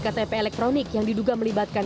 ktp elektronik yang diduga melibatkan